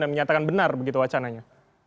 dan menyatakan benar begitu wacananya